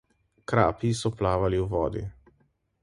Krapi so plavali v vodi.